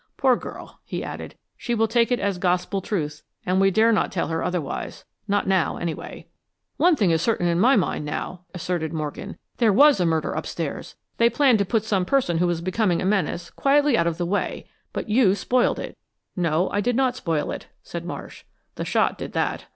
Poor girl," he added. "She will take it as gospel truth, and we dare not tell her otherwise not now, anyway." "One thing is certain in my mind now," asserted Morgan. "There was a murder upstairs. They planned to put some person who was becoming a menace, quietly out of the way. But you spoiled it!" "No, I did not spoil it," said Marsh. "The shot did that.